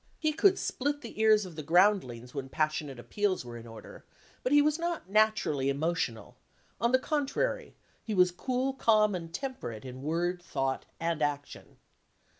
He could split the ears of the groundlings when passionate appeals were 258 LEGAL REPUTATION in order, but he was not naturally emotional; on the contrary, he was cool, calm, and temperate in word, thought, and action.